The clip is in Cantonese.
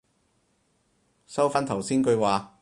收返頭先句話